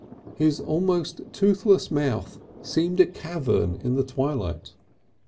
His almost toothless mouth seemed a cavern in the twilight.